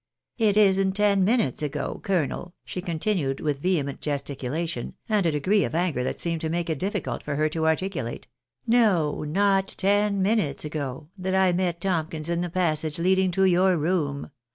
It isn't ten minutes ago, colonel," she continued, with vehement gesticulation, and a degree of anger that seemed to make it difficult for her to articulate, " no, not ten minutes ago, that I met Tomkins in the passage leading to your room.